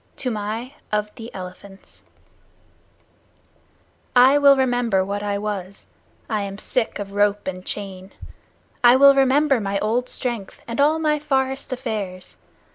Toomai of the Elephants I will remember what I was, I am sick of rope and chain I will remember my old strength and all my forest affairs.